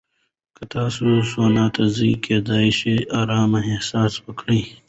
که تاسو سونا ته ځئ، کېدای شي ارامه احساس وکړئ.